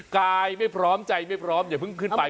กายไม่พร้อมใจไม่พร้อมอย่าเพิ่งขึ้นไป